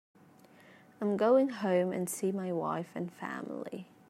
I'm going home and see my wife and family.